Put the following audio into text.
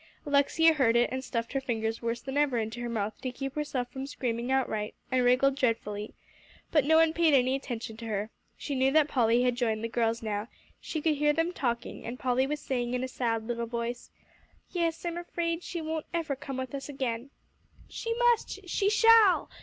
Alexia heard it, and stuffed her fingers worse than ever into her mouth to keep herself from screaming outright, and wriggled dreadfully. But no one paid any attention to her. She knew that Polly had joined the girls now; she could hear them talking, and Polly was saying, in a sad little voice, "Yes, I'm afraid she won't ever come with us again." "She must, she shall!"